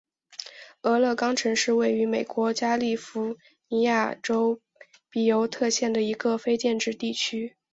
俄勒冈城是位于美国加利福尼亚州比尤特县的一个非建制地区。